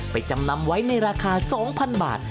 จำนำไว้ในราคา๒๐๐๐บาท